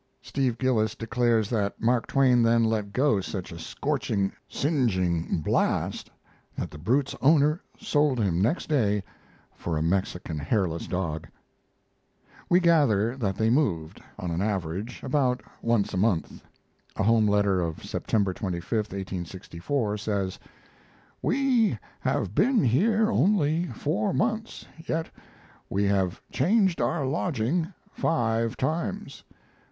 Steve Gillis declares that Mark Twain then let go such a scorching, singeing blast that the brute's owner sold him next day for a Mexican hairless dog. We gather that they moved, on an average, about once a month. A home letter of September 25, 1864, says: We have been here only four months, yet we have changed our lodging five times.